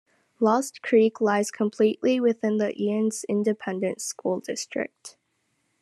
Lost Creek lies completely within the Eanes Independent School District.